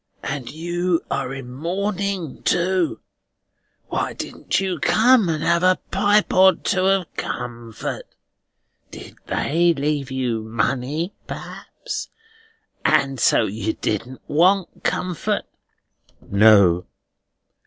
And you are in mourning too! Why didn't you come and have a pipe or two of comfort? Did they leave you money, perhaps, and so you didn't want comfort?" "No."